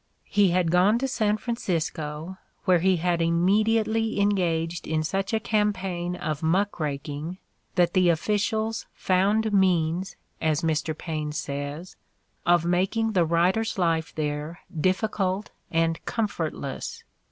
He had gone to San Francisco, where he had immediately engaged in such a campaign of "muck raking" that the officials "found means," as Mr. Paine says, "of making the writer's life there diffi cult and comfortless."